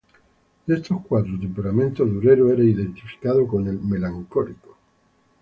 De estos cuatro temperamentos, Durero era identificado con el melancólico.